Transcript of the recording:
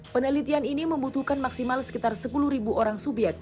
penelitian ini membutuhkan maksimal sekitar sepuluh orang subyek